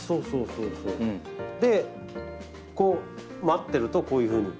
でこう待ってるとこういうふうに。